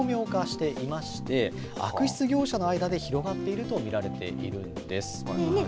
手口が巧妙化していまして悪質業者の間で広がっていると見られているんです。